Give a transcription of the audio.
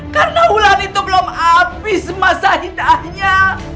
karena hulan itu belum habis masa hidahnya